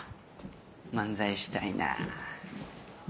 漫才したいなぁ。